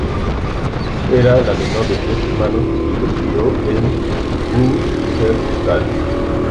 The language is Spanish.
Era la menor de tres hermanos, y se crio en Wuppertal.